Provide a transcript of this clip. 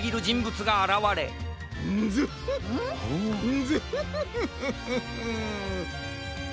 ンヅフフフフフフ。